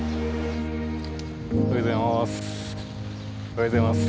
おはようございます。